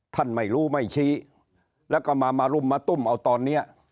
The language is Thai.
ท่านไม่รู้ไม่ชี้แล้วก็มามารุมมาตุ้มเอาตอนเนี้ย